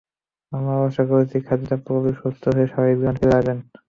আমরাও আশা করছি, খাজিদা পুরোপুরি সুস্থ হয়ে স্বাভাবিক জীবনে ফিরে আসবেন।